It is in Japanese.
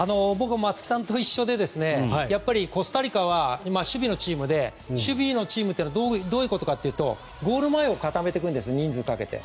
松木さんと一緒でやっぱりコスタリカは守備のチームで守備のチームはどういうことかというとゴール前を固めてくるんです人数かけて。